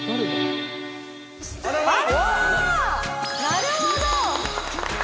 なるほど。